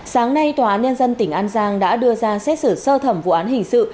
sáng nay tòa án nhân dân tỉnh an giang đã đưa ra xét xử sơ thẩm vụ án hình sự